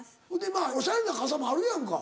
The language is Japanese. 今おしゃれな傘もあるやんか。